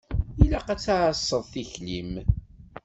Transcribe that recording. Ilaq ad tɛasseḍ tikli-m.